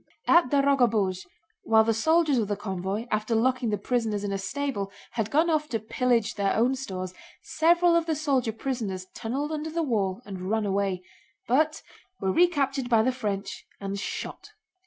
At Dorogobúzh while the soldiers of the convoy, after locking the prisoners in a stable, had gone off to pillage their own stores, several of the soldier prisoners tunneled under the wall and ran away, but were recaptured by the French and shot.